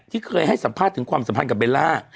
เคยให้สัมภาษณ์ถึงความสัมพันธ์กับเบลล่า